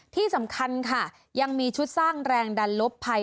ที่สำคัญค่ะยังมีชุดสร้างแรงดันลบภัย